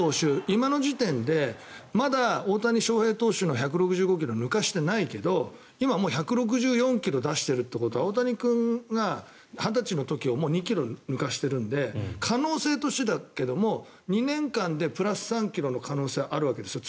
今の時点で、まだ大谷翔平選手の１６５ｋｍを抜かしていないけど今１６４ｋｍ出してるってことは大谷君が２０歳の時はもう２ｋｍ抜かしているので可能性としてだけど２年間でプラス３ｋｍの可能性はあるわけですよ。